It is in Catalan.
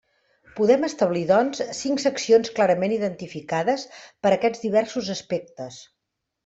Podem establir, doncs, cinc seccions clarament identificades per aquests diversos aspectes.